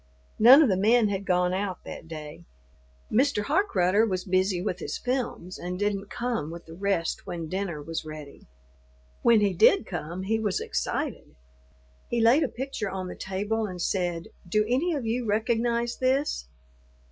None of the men had gone out that day. Mr. Harkrudder was busy with his films and didn't come with the rest when dinner was ready. When he did come, he was excited; he laid a picture on the table and said, "Do any of you recognize this?"